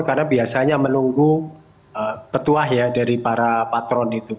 karena biasanya menunggu petuah ya dari para patron itu